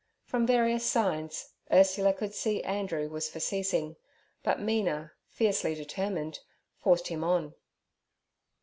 From various signs, Ursula could see Andrew was for ceasing; but Mina, fiercely determined, forced him on.